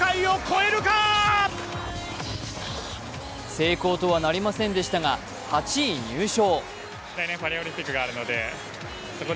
成功とはなりませんでしたが８位入賞。